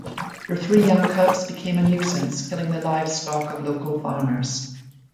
Her three young cubs became a nuisance, killing the livestock of local farmers.